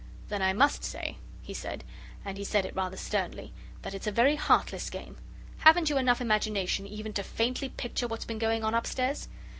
"Then I must say," he said, and he said it rather sternly, "that's it's a very heartless game. Haven't you enough imagination even to faintly picture what's been going on upstairs?